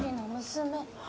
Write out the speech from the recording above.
娘？